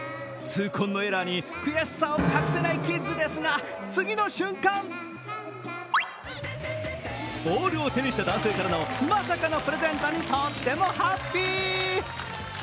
痛恨のエラーに悔しさを隠せないキッズですが次の瞬間ボールを手にした男性からのまさかのプレゼントにとってもハッピー！